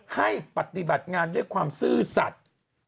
ให้ปฏิบัติงานด้วยความซื่อสัตว์